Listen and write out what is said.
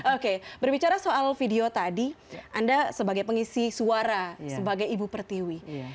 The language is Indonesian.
oke berbicara soal video tadi anda sebagai pengisi suara sebagai ibu pertiwi